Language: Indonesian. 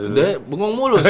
ndra bengong mulu sih